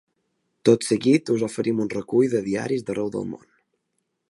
Tot seguit us oferim un recull de diaris d’arreu del món.